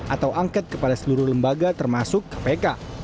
atau angket kepada seluruh lembaga termasuk kpk